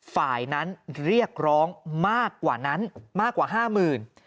ฝ่ายนั้นเรียกร้องมากกว่านั้นมากกว่าห้าหมื่น